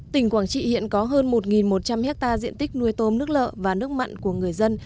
tỉnh quảng trị hiện có hơn một một trăm linh hectare diện tích nuôi tôm nước lợ và nước mặn của người dân